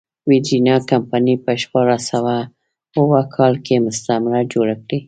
ویرجینیا کمپنۍ په شپاړس سوه اووه کال کې مستعمره جوړه کړه.